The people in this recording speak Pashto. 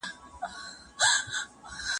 د اوبو سرچینې په نړۍ کې کمېږي.